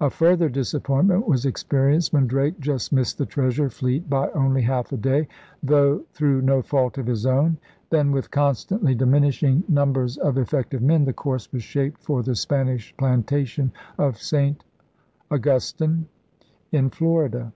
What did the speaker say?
A further disappointment was ex perienced when Drake just missed the treasure fleet by only half a day, though through no fault of his own. Then, with constantly diminishing 162 ELIZABETHAN SEA DOGS numbers of effective men, the course was shaped for the Spanish * plantation' of St. Augustine in Florida.